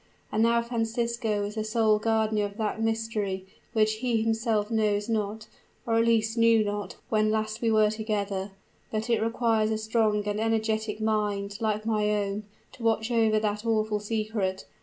And now Francisco is the sole guardian of that mystery, which he himself knows not, or at least knew not, when last we were together. But it requires a strong and energetic mind, like my own, to watch over that awful secret.